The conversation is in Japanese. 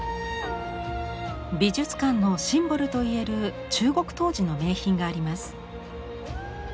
美術館のシンボルといえる中国陶磁の名品があります。